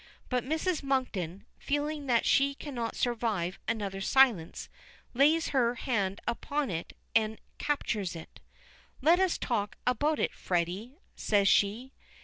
But Mrs. Monkton, feeling that she cannot survive another silence, lays her hand upon it and captures it. "Let us talk about it, Freddy," says she.